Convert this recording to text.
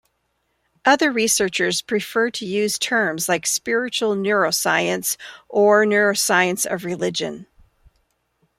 Other researchers prefer to use terms like "spiritual neuroscience" or "neuroscience of religion".